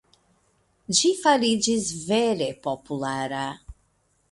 Ĝi fariĝis vere populara.